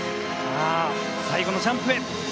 さあ最後のジャンプへ！